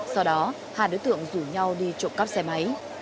sau đó hai đối tượng rủ nhau đi trộm cắp xe máy